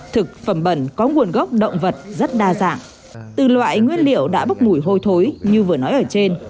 thực phẩm bẩn có nguồn gốc động vật rất đa dạng từ loại nguyên liệu đã bốc mùi hôi thối như vừa nói ở trên